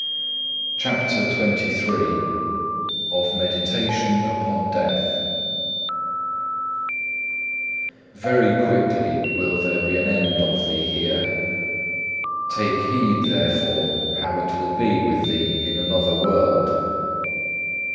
(1) Psalm xxv. 17. CHAPTER XXIII Of meditation upon death Very quickly will there be an end of thee here; take heed therefore how it will be with thee in another world.